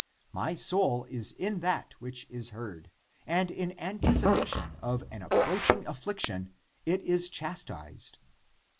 My soul is in that which is heard, and in an ticipation of an approaching affliction it is chastised.